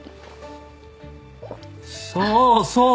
そうそう！